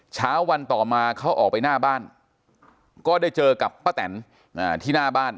เช้าวันต่อมาเขาออกไปหน้าบ้านก็ได้เจอกับป้าแตนที่หน้าบ้าน